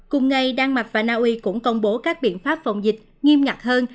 cùng ngày đan mạch và na uy cũng công bố các biện pháp phòng dịch nghiêm ngặt hơn